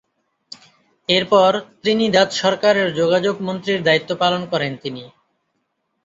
এরপর ত্রিনিদাদ সরকারের যোগাযোগ মন্ত্রীর দায়িত্ব পালন করেন তিনি।